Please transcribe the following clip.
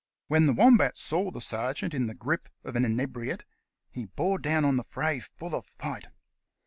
When the Wombat saw the sergeant in the grasp of an inebriate he bore down on the fray full of fight.